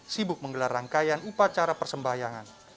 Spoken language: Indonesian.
sibuk menggelar rangkaian upacara persembahyangan